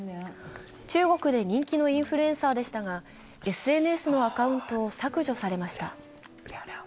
中国で人気のインフルエンサーでしたが、ＳＮＳのアカウントを削除されました。